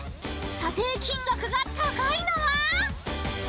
［査定金額が高いのは？］